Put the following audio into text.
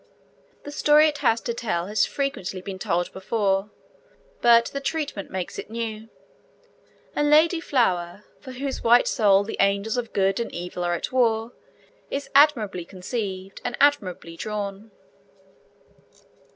The story it has to tell has frequently been told before, but the treatment makes it new; and Lady Flower, for whose white soul the angels of good and evil are at war, is admirably conceived, and admirably drawn.